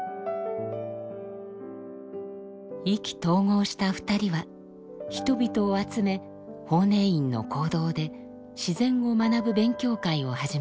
意気投合した２人は人々を集め法然院の講堂で自然を学ぶ勉強会を始めました。